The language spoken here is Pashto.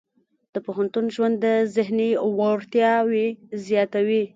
د پوهنتون ژوند د ذهني وړتیاوې زیاتوي.